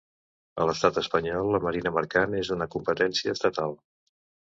A l'Estat Espanyol, la marina mercant és una competència estatal.